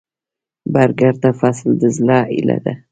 بزګر ته فصل د زړۀ هيله ده